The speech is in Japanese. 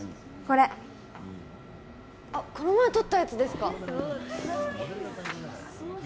これあっこの前撮ったやつですか？